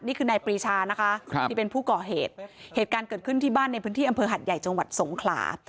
นี่คือนายปรีชานะคะที่เป็นผู้ก่อเหตุเหตุการณ์เกิดขึ้นที่บ้านในพื้นที่อำเภอหัดใหญ่จังหวัดสงขลา